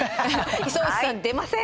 磯打さん出ません